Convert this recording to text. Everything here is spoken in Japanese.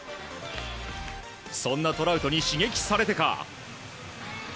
そんなトラウトに刺激されてか。